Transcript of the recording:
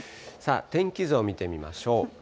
天気図を見てみましょう。